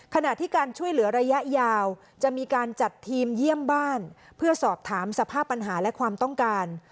ขณะที่การช่วยเหลือระยะยาวจะมีการจัดทีมเยี่ยมบ้านเพื่อสอบถามสภาพปัญหาและความต้องการ